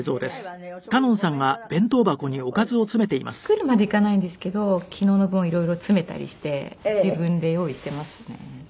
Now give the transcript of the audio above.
作るまでいかないんですけど昨日の分を色々詰めたりして自分で用意していますね。